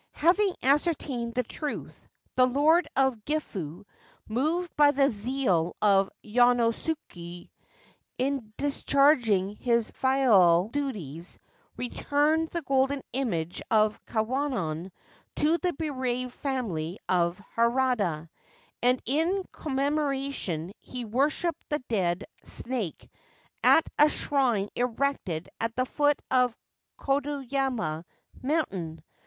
Having ascertained the truth, the Lord of Gifu, moved by the zeal of Yonosuke in discharging his filial duties, returned the golden image of Kwannon to the bereaved family of Harada ; and in commemoration he worshipped the dead snake at a shrine erected at the foot of Kodayama Mountain.